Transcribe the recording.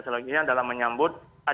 selanjutnya dalam menyambut